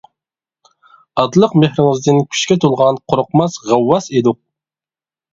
ئاتىلىق مېھرىڭىزدىن كۈچكە تولغان قورقماس غەۋۋاس ئىدۇق!